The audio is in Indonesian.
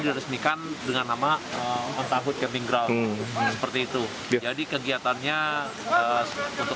diresmikan dengan nama mentahut keping ground seperti itu jadi kegiatannya untuk